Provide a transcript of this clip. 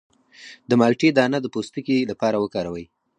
د مالټې دانه د پوستکي لپاره وکاروئ